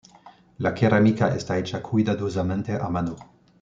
La cerámica está hecha cuidadosamente a mano.